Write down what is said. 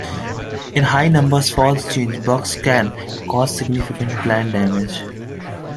In high numbers false chinch bugs can cause significant plant damage.